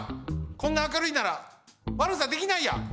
こんな明るいならわるさできないや。